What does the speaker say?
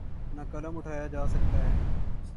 نہ قلم اٹھایا جا سکتا ہے۔